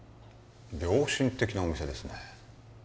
良心的なお店ですね